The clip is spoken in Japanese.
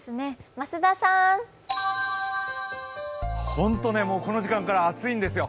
ホントもうこの時間から暑いんですよ。